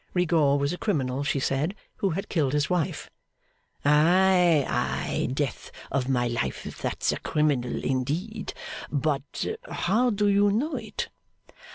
Rigaud was a criminal, she said, who had killed his wife. 'Ay, ay? Death of my life, that's a criminal indeed. But how do you know it?